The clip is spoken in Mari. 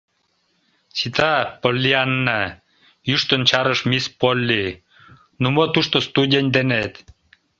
— Сита, Поллианна, — йӱштын чарыш мисс Полли. —Ну, мо тушто студень денет?